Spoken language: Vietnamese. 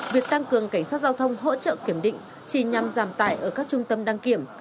việc tăng cường cảnh sát giao thông hỗ trợ kiểm định chỉ nhằm giảm tải ở các trung tâm đăng kiểm